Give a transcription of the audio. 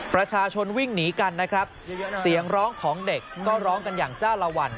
ประชาชนวิ่งหนีกันนะครับเสียงร้องของเด็กก็ร้องกันอย่างจ้าละวัน